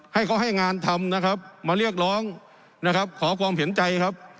ให้เขาให้งานทำนะครับมาเรียกร้องนะครับขอความเห็นใจครับ